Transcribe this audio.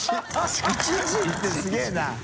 １時ってすげぇな。